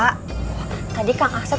cuk ini rumah cuk